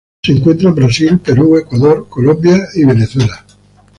Se encuentra en Brasil, Perú Ecuador, Colombia y Venezuela.